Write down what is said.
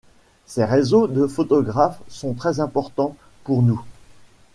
Ces réseaux de photographes sont très importants pour nous.